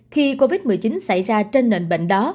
khi covid một mươi chín xảy ra trên nền bệnh đó